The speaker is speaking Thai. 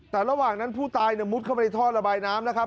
แต่ระหว่างนั้นผู้ตายมุดเข้าไปในท่อระบายน้ำนะครับ